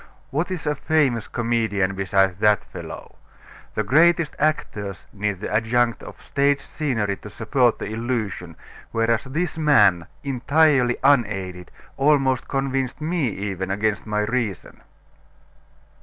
What is a famous comedian beside that fellow? The greatest actors need the adjunct of stage scenery to support the illusion, whereas this man, entirely unaided, almost convinced me even against my reason."